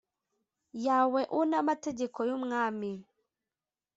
Yawe u n amategeko y umwami